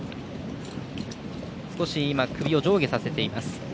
少し、首を上下させています。